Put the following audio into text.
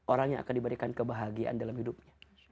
orang yang akan diberikan kebahagiaan dalam hidupnya